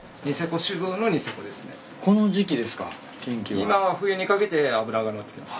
今は冬にかけて脂が乗ってきます。